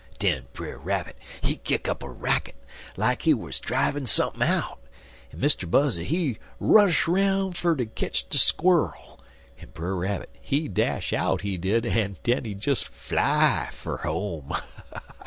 "Den Brer Rabbit kick up a racket, like he wer' drivin' sumpin' out, en Mr. Buzzard he rush 'roun' fer ter ketch de squir'l, en Brer Rabbit, he dash out, he did, en he des fly fer home."